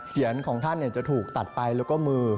ของท่านจะถูกตัดไปแล้วก็มือ